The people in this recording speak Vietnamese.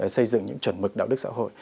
xây dựng những chuẩn mực đạo đức xã hội